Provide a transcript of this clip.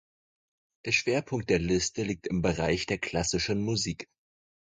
Der Schwerpunkt der Liste liegt im Bereich der klassischen Musik.